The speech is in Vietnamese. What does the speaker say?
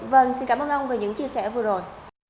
vâng xin cảm ơn ông về những chia sẻ vừa rồi